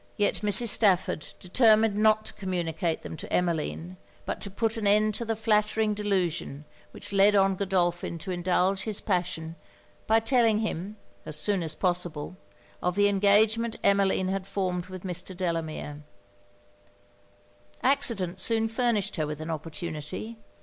Yet Mrs. Stafford determined not to communicate them to Emmeline; but to put an end to the flattering delusion which led on Godolphin to indulge his passion, by telling him, as soon as possible, of the engagement Emmeline had formed with Mr. Delamere. Accident soon furnished her with an opportunity.